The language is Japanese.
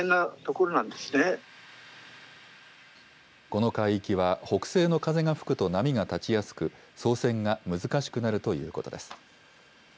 この海域は、北西の風が吹くと波が立ちやすく、操船が難しくなるということです。